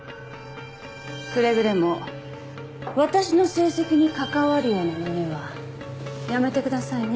くれぐれも私の成績に関わるようなまねはやめてくださいね。